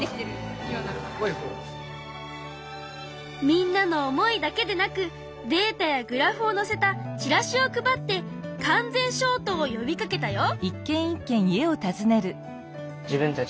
みんなの思いだけでなくデータやグラフをのせたチラシを配って完全消灯を呼びかけたよ。